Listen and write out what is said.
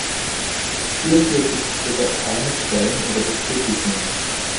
Hierfür gibt es jedoch keine Quellen oder Bestätigungen.